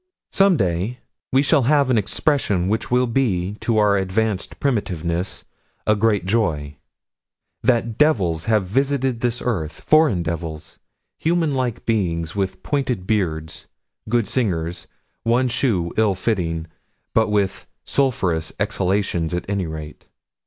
Some day we shall have an expression which will be, to our advanced primitiveness, a great joy: That devils have visited this earth: foreign devils: human like beings, with pointed beards: good singers; one shoe ill fitting but with sulphurous exhalations, at any rate.